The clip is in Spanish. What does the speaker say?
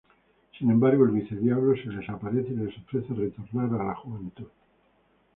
Sin embargo, el Vice-Diablo se les aparece y les ofrece retornar a la juventud.